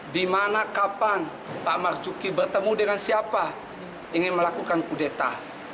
di mana kapan pak marzuki bertemu dengan siapa ingin melakukan kudeta